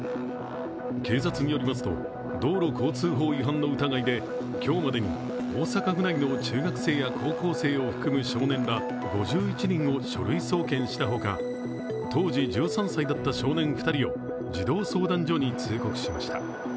警察によりますと道路交通法違反の疑いで今日までに大阪府内の中学生や高校生を含む少年ら５１人を書類送検したほか、当時１３歳だった少年２人を児童相談所に通告しました。